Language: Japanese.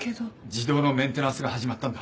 自動のメンテナンスが始まったんだ。